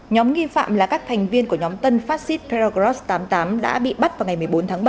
nhóm nghi phạm là các thành viên của nhóm tân fascist peregrost tám mươi tám đã bị bắt vào ngày một mươi bốn tháng bảy